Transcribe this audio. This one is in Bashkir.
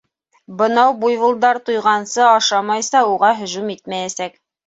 Бынау буйволдар туйғансы ашамайса уға һөжүм итмәйәсәк.